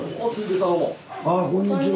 あこんにちは。